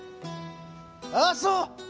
あっそう！